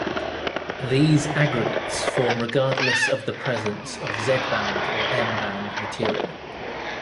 These aggregates form regardless of the presence of Z band or M band material.